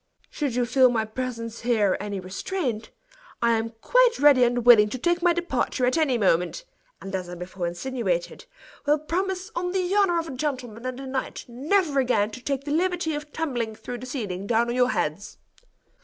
Should you feel my presence here any restraint, I am quite ready and willing to take my departure at any moment; and as I before insinuated, will promise, on the honor of a gentleman and a knight, never again to take the liberty of tumbling through the ceiling down on your heads."